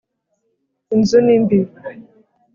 inzu ni mbi